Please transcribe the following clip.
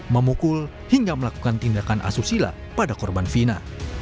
memukul hingga melakukan tindakan asusila pada korban fina